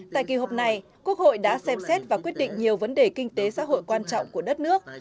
tại kỳ họp này quốc hội đã xem xét và quyết định nhiều vấn đề kinh tế xã hội quan trọng của đất nước